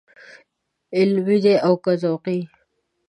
علمي دی او که ذوقي.